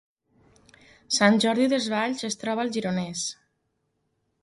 Sant Jordi Desvalls es troba al Gironès